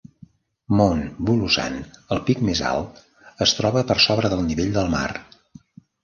Mount Bulusan, el pic més alt, es troba per sobre del nivell del mar.